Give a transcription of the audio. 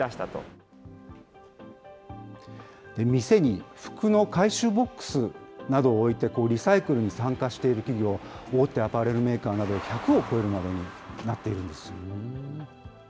店に服の回収ボックスなどを置いて、リサイクルに参加している企業、大手アパレルメーカーなど１００を超えるまでになっているんですよね。